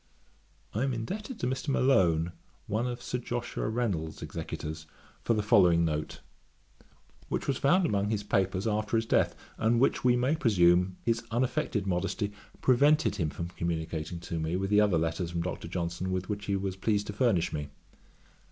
I am indebted to Mr. Malone, one of Sir Joshua Reynolds's executors, for the following note, which was found among his papers after his death, and which, we may presume, his unaffected modesty prevented him from communicating to me with the other letters from Dr. Johnson with which he was pleased to furnish me.